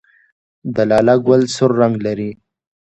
د لاله ګل سور رنګ لري